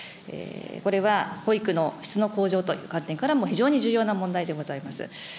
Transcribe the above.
これは保育の質の向上という観点からも非常に重要な問題でございます。